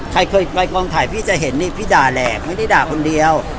ใครเคยไปกองถ่ายพี่จะเห็นนี่พี่ด่าแหลกไม่ได้ด่าคนเดียว